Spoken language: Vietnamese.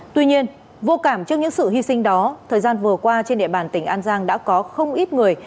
tuy nhiên vô cảm trước những sự hy sinh đó thời gian vừa qua trên địa bàn tỉnh an giang đã có không ít người